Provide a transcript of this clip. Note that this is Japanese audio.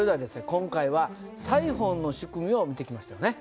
今回はサイホンの仕組みを見てきましたよね。